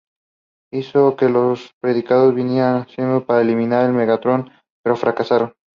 Hizo que los Predacons vinieran de Cybertron para eliminar a Megatron, pero fracasaron.